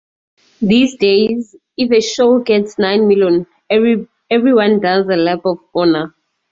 These days if a show gets nine million everyone does a lap of honour.